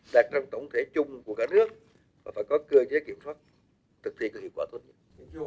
đạt trong tổng thể chung của cả nước và phải có cơ chế kiểm soát thực hiện có hiệu quả tốt nhất